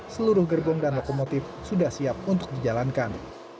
seluruh gerbong dan lokomotif sudah siap untuk dijalankan